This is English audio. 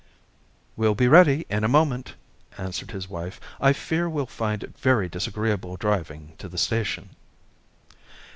"We'll be ready in a moment," answered his wife. "I fear we'll find it very disagreeable driving to the station."